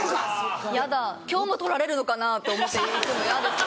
ヤダ「今日も撮られるのかな」と思って行くの嫌です。